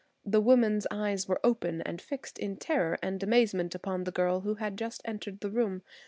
The woman's eyes were open and fixed in terror and amazement upon the girl who had just entered the room.